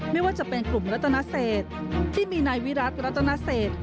ไม่ว่าจะเป็นกลุ่มรัตนเศษที่มีนายวิรัติรัตนเศษ